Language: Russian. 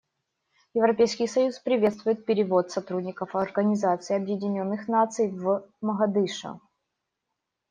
Европейский союз приветствует перевод сотрудников Организации Объединенных Наций в Могадишо.